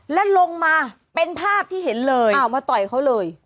แล้วลงมาเป็นภาพที่เห็นเลยอ้าวมาต่อยเขาเลย